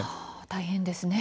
大変ですね。